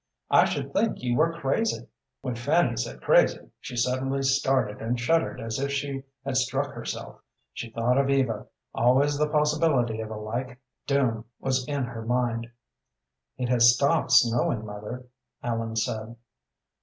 I should think you were crazy." When Fanny said crazy, she suddenly started and shuddered as if she had struck herself. She thought of Eva. Always the possibility of a like doom was in her own mind. "It has stopped snowing, mother," Ellen said.